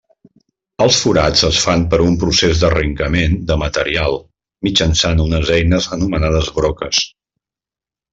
Els forats es fan per un procés d'arrencament de material mitjançant unes eines anomenades broques.